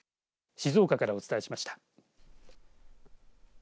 静岡からお伝えしました。